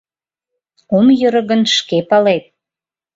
Ом йӧрӧ гын — шке палет.